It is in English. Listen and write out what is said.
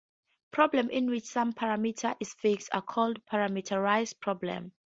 Problems in which some parameter is fixed are called parameterized problems.